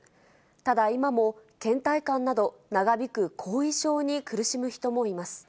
ただ、今もけん怠感など、長引く後遺症に苦しむ人もいます。